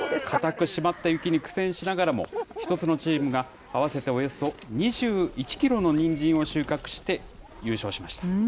かたくしまった雪に苦戦しながらも、１つのチームが、合わせておよそ２１キロのにんじんを収穫して、優勝しました。